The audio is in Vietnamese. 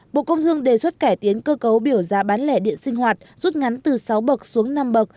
bộ công thương đề xuất cải tiến cơ cấu biểu giá bán lẻ điện sinh hoạt rút ngắn từ sáu bậc xuống năm bậc